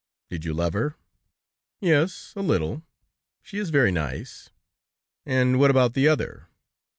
"Did you love her?" "Yes, a little; she is very nice." "And what about the other?"